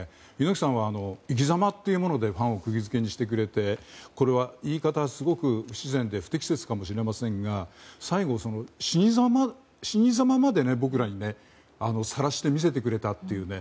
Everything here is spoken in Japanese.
猪木さんは生き様というものでファンをくぎ付けにしてくれてこれは言い方、すごく不自然で不適切かもしれませんが最後、死にざままで僕らにさらして見せてくれたというね。